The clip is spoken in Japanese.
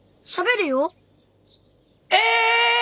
え？